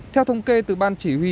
theo thông kê từ ban chỉ huy